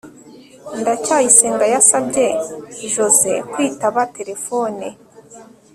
ndacyayisenga yasabye joze kwitaba terefone